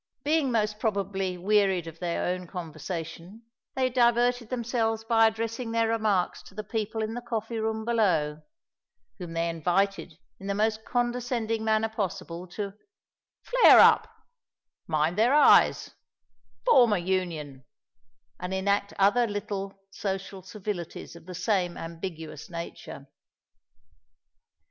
Being most probably wearied of their own conversation, they diverted themselves by addressing their remarks to the people in the coffee room below, whom they invited in the most condescending manner possible to "flare up," "mind their eyes," "form a union," and enact various other little social civilities of the same ambiguous nature.